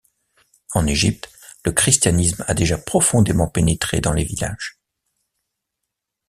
En Égypte, le christianisme a déjà profondément pénétré dans les villages.